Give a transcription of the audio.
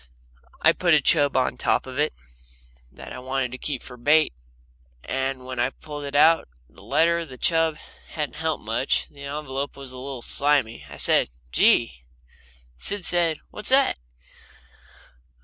I put a chub on top of it that I wanted to keep for bait, and when I pulled it out the letter the chub hadn't helped much. The envelope was a little slimy. I said: "Gee!" Sid said: "What's that?"